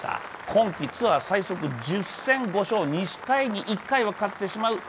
今季ツアー最速１０戦５勝、２回に１回は勝ってしまう。